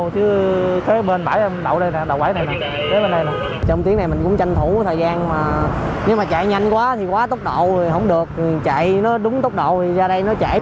trong tiếng này mình cũng tranh thủ thời gian mà nếu mà chạy nhanh quá thì quá tốc độ thì không được chạy nó đúng tốc độ thì ra đây nó chạy